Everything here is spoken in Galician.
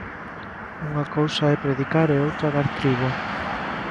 Unha cousa é predicar e outra dar trigo.